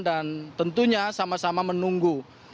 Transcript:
dan tentunya sama sama menunggu